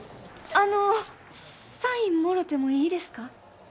あのサインもろてもいいですか？